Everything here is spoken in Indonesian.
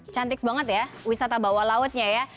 cantik banget ya wisata bawah lautnya ya